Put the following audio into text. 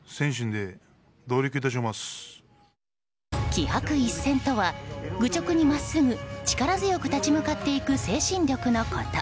気魄一閃とは愚直に真っすぐ力強く立ち向かっていく精神力のこと。